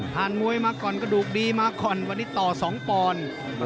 มวยมาก่อนกระดูกดีมาก่อนวันนี้ต่อ๒ปอนด์